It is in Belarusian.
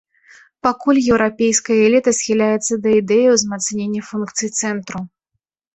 Пакуль еўрапейская эліта схіляецца да ідэі ўзмацнення функцый цэнтру.